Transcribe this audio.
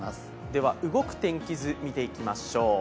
では動く天気図、見ていきましょう。